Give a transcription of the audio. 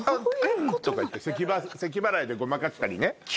ウウン！ってせきばらいでごまかしたりね。